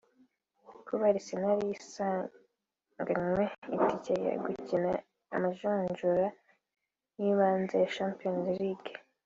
Kuba Arsenal yari isanganywe itike yo gukina amajonjora y’ibanze cya Champions league